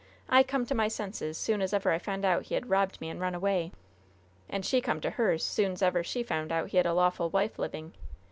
I come to my senses soon's ever I found out as he had robbed me and run away. And she come to hers soon's ever she found out he had a lawful wife living.